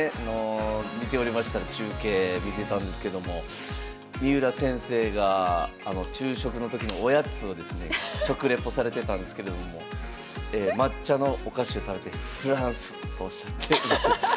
見ておりました中継見てたんですけども三浦先生が昼食の時のおやつをですね食レポされてたんですけれども抹茶のお菓子を食べて「フランス」とおっしゃっていました。